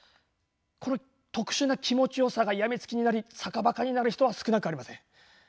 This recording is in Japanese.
この特殊な気持ちよさが病みつきになり坂バカになる人は少なくありません。